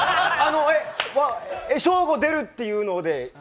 ショーゴ出るって聞いてたので。